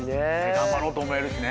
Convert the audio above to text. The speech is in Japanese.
頑張ろうと思えるしね。